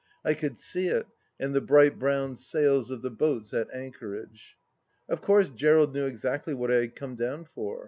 I could see it, and the bright brown sails of the boats at anchorage. ... Of course Gerald knew exactly what I had come down for.